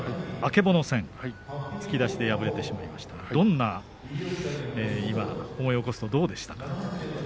曙戦突き出しで敗れてしまいましたが思い起こすと、どうでしたか？